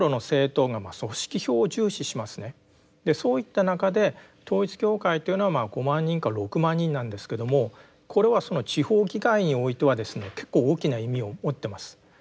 そういった中で統一教会というのは５万人か６万人なんですけどもこれはその地方議会においてはですね結構大きな意味を持ってます。